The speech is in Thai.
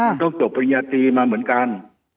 มันต้องจบปริญญาตรีมาเหมือนกัน